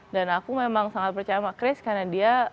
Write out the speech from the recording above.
dan aku memang sangat percaya sama chris karena dia bisa membimbing